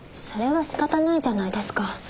それは仕方ないじゃないですか。